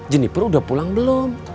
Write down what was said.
jennifer udah pulang belum